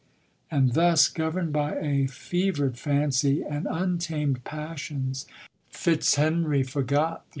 And thus, governed by a fevered fancy and untamed passions, Fitzhenry forgot the LODORE.